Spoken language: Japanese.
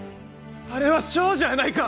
あれは少女やないか！